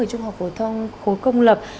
trung học phổ thông khối công lập